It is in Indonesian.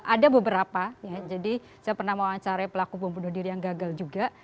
ada beberapa ya jadi saya pernah mewawancarai pelaku bom bunuh diri yang gagal juga